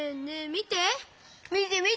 みてみて！